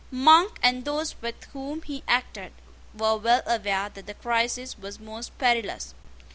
Monk, and those with whom he acted, were well aware that the crisis was most perilous.